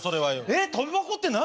えっとび箱って何？